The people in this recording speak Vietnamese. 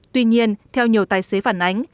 tuy nhiên theo nhiều tài xế phản ánh